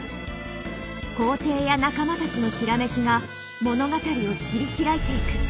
皇帝や仲間たちの閃きが物語を切り拓いていく。